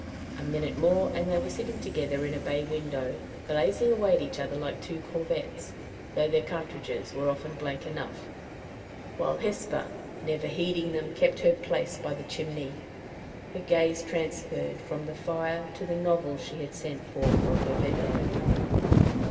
A minute more, and they were sitting together in a bay window, blazing away at each other like two corvettes, though their cartridges were often blank enough, while Hesper, never heeding them, kept her place by the chimney, her gaze transferred from the fire to the novel she had sent for from her bedroom.